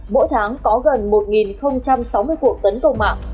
mỗi tháng có gần một sáu mươi cuộc tấn công mạng